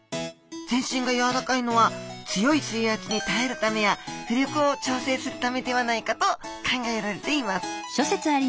全身がやわらかいのは強い水圧に耐えるためや浮力を調整するためではないかと考えられています。